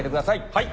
はい。